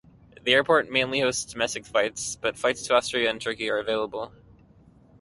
The airport mainly hosts domestic flights, but flights to Austria and Turkey are available.